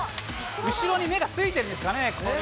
後ろに目がついてるんですかね、これ。